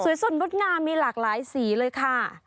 สวยสนพรดงามมีหลากหลายสีเลยค่ะ